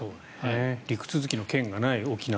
陸続きの県がない沖縄。